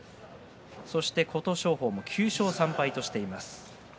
そして琴勝峰も９勝３敗としています。